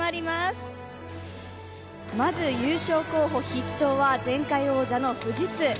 まず、優勝候補筆頭は前回王者の富士通。